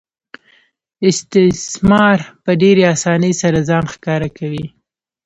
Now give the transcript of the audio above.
استثمار په ډېرې اسانۍ سره ځان ښکاره کوي